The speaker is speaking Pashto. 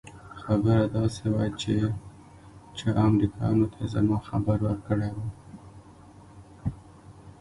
خبره داسې وه چې چا امريکايانو ته زما خبر ورکړى و.